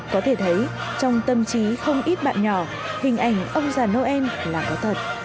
có thể thấy trong tâm trí không ít bạn nhỏ hình ảnh ông già noel là có thật